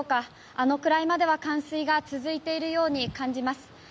あのくらいまでは、冠水が続いているように感じます。